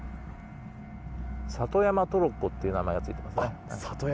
里山トロッコって名前がついています。